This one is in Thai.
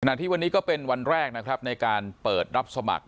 ที่วันนี้ก็เป็นวันแรกนะครับในการเปิดรับสมัคร